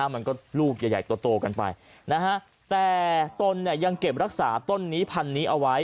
มันก็ลูกใหญ่โตกันไปนะฮะแต่ตนเนี่ยยังเก็บรักษาต้นนี้พันนี้เอาไว้